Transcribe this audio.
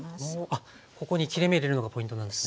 あっここに切れ目入れるのがポイントなんですね。